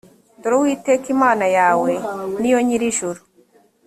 dore uwiteka imana yawe ni yo nyir’ijuru